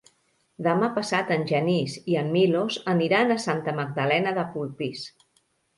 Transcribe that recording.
Demà passat en Genís i en Milos aniran a Santa Magdalena de Polpís.